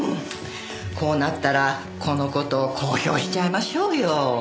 こうなったらこの事を公表しちゃいましょうよ！